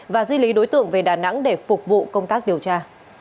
và di lý đối tượng về đà nẵng để phục vụ công tác điều tra